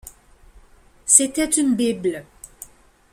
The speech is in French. C’était une bible.